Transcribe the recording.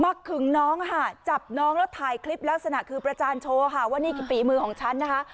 ขึงน้องค่ะจับน้องแล้วถ่ายคลิปลักษณะคือประจานโชว์ค่ะว่านี่คือฝีมือของฉันนะคะ